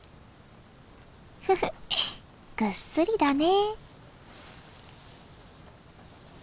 フフッぐっすりだね。